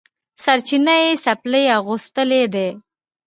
سرچپه یې څپلۍ اغوستلي دي